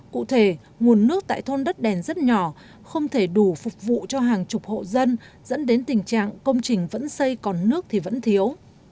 cụ thể nguồn nước tại thôn đất đèn rất nhỏ không thể đủ phục vụ cho hàng chục hộ dân dẫn đến tình trạng công trình vẫn xây còn nước thì vẫn thiếu